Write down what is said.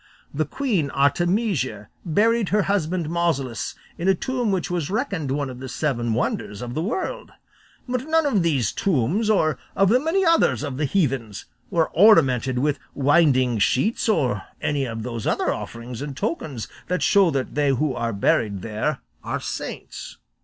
The queen Artemisia buried her husband Mausolus in a tomb which was reckoned one of the seven wonders of the world; but none of these tombs, or of the many others of the heathens, were ornamented with winding sheets or any of those other offerings and tokens that show that they who are buried there are saints."